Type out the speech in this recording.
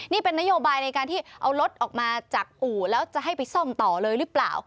นี่เป็นนโยบายในการที่เอารถออกมาจากอู่แล้วจะให้ไปซ่อมต่อเลยหรือเปล่า